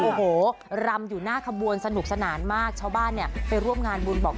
โอ้โหรำอยู่หน้าขบวนสนุกสนานมากชาวบ้านเนี่ยไปร่วมงานบุญบอก